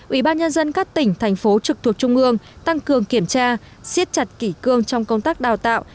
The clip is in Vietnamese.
ủy ban nhân dân các tỉnh thành phố trực thuộc trung ương tăng cường kiểm tra siết chặt kỷ cương trong công tác đào tạo